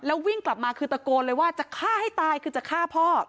วิ่งกลับมาคือตะโกนเลยว่าจะฆ่าให้ตายคือจะฆ่าพ่อ